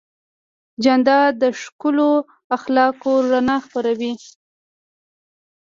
جانداد د ښکلو اخلاقو رڼا خپروي.